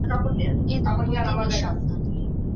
এ দম্পতি নিঃসন্তান।